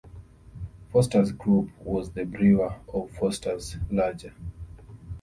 Foster's Group was the brewer of Foster's Lager.